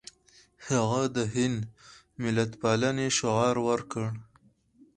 هغه د هند ملتپالنې شعار ورکړ.